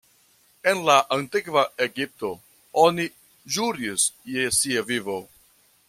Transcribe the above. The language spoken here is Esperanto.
En la antikva Egipto, oni ĵuris je sia vivo.